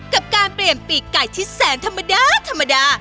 กับการเปลี่ยนปีกไก่ที่แสนธรรมดาธรรมดา